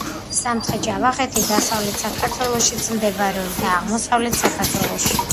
სამცხე-ჯავახეთი დასავლეთ საქართველოშიც მდებარეობს და აღმოსავლეთ საქართველოშ